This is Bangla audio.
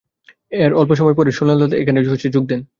এর অল্প সময় পরই সোলেদাদ এখানে যোগ দেন।